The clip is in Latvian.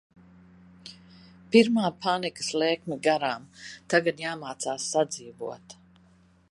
Pirmā panikas lēkme garām. Tagad jāmācās sadzīvot.